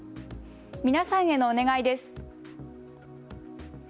皆さんへのお願いです。